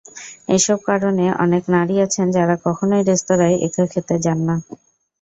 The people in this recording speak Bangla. এসব কারণে, অনেক নারী আছেন যারা কখনোই রেস্তোরাঁয় একা খেতে যান না।